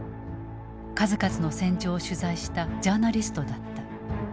数々の戦場を取材したジャーナリストだった。